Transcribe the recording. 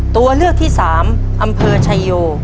ตัวเลือกที่๓อำเภอชายโย